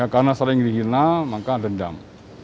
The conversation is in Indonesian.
karena sering dihilang maka dendam